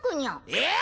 えっ！